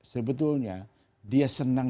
sebetulnya dia senang